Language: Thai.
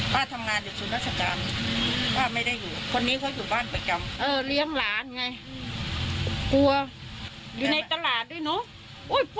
มันไม่ได้มาถามไม่ได้มาอะไรกับชาวบ้านบอดหรอ